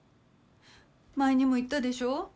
前にも言ったでしょ。